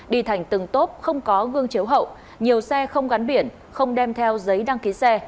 đi thành từng tốp không có gương chiếu hậu nhiều xe không gắn biển không đem theo giấy đăng ký xe